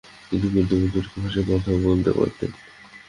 তিনি কুর্দি এবং তুর্কি ভাষায় কথা বলতে পারতেন।